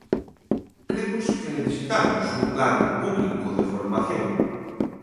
Cremos que necesitamos un plan público de formación.